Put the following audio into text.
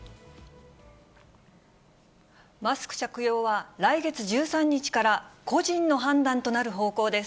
マスク着用は、来月１３日から個人の判断となる方向です。